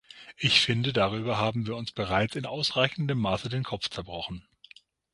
Ich finde, darüber haben wir uns bereits in ausreichendem Maße den Kopf zerbrochen.